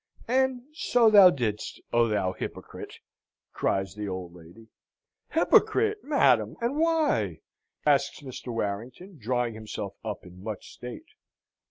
"And so thou didst, O thou hypocrite!" cries the old lady. "Hypocrite, madam! and why?" asks Mr. Warrington, drawing himself up in much state.